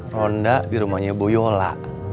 ronda di rumahnya boyola